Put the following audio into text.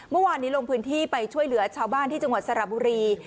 เมื่อวานนี้ลงพื้นที่ไปช่วยเหลือชาวบ้านที่จังหวัดสระบุรี